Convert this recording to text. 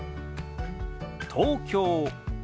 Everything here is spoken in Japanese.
「東京」。